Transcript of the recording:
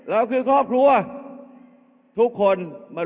เอาข้างหลังลงซ้าย